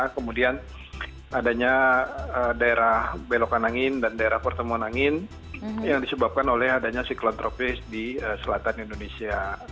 kemudian adanya daerah belokan angin dan daerah pertemuan angin yang disebabkan oleh adanya siklon tropis di selatan indonesia